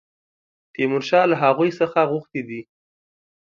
تیمورشاه له هغوی څخه غوښتي دي.